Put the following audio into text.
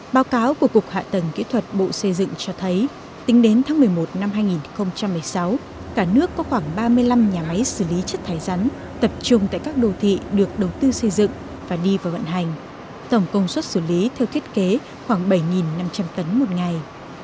báo cáo của cục hạ tầng kỹ thuật bộ xây dựng cho thấy tính đến tháng một mươi một năm hai nghìn một mươi sáu cả nước có khoảng ba mươi năm nhà máy xử lý chất thải rắn tập trung tại các đô thị được đầu tư xây dựng và đi vào vận hành tổng công suất xử lý theo thiết kế khoảng bảy năm trăm linh tấn một ngày